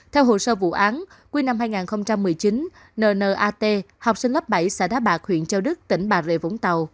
theo hồ sơ vụ án cuối năm hai nghìn một mươi chín nnat học sinh lớp bảy xã đá bạc huyện châu đức tỉnh bà rịa vũng tàu